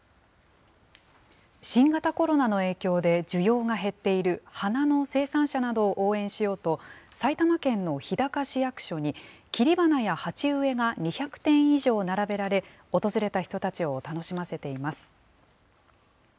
新型コロナの影響で需要が減っている花の生産者などを応援しようと、埼玉県の日高市役所に切り花や鉢植えが２００点以上並べられ、訪れた人たちを楽しませています。